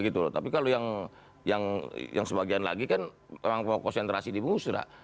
gitu loh tapi kalau yang sebagian lagi kan memang mau konsentrasi di musrah